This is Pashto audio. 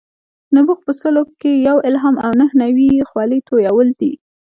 نبوغ په سلو کې یو الهام او نهه نوي یې خولې تویول دي.